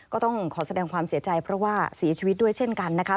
ก็ต้องขอแสดงความเสียใจเพราะว่าเสียชีวิตด้วยเช่นกันนะคะ